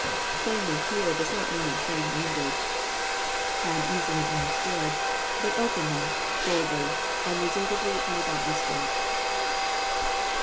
" Plainly " here does not mean in plain language, and easi^ jomr, CHAP. X. 209 ondentood, but openly, boldly, unreservedly, and without mys tery.